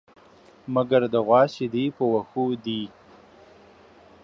مگر د غوا شيدې په وښو دي.